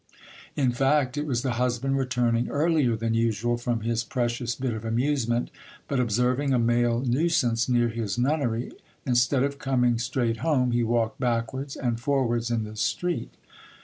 In fact, it was the husband returning earlier than usual from his precious bit of amusement ; but observing a male nuisance near his nunnery, instead of eoming straight home, he walked backwards and forwards in the street.